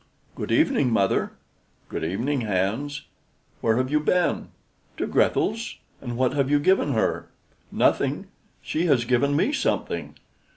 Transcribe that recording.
"Good evening, mother." "Good evening, Hans. Where have you been?" "To Grethel's." "And what have you given her?" "Nothing; she has given me something."